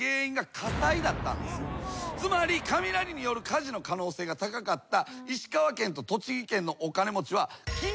つまり雷による火事の可能性が高かった。